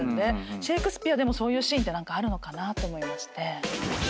シェイクスピアでもそういうシーンあるのかなと思いまして。